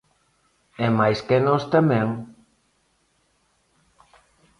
E máis que nós tamén.